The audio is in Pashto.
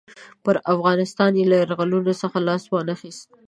پر افغانستان یې له یرغلونو څخه لاس وانه خیست.